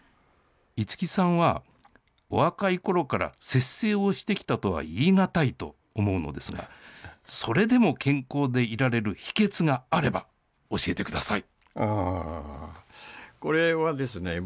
五木さんはお若いころから摂生をしてきたとは言い難いと思うのですが、それでも健康でいられる秘けつがあれば教えてください。